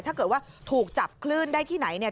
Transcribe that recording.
ถ้าเกิดว่าถูกจับคลื่นได้ที่ไหนเนี่ย